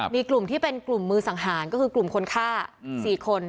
มีกลุ่มที่เป็นกลุ่มมือสังหารก็คือกลุ่มคนฆ่า๔คน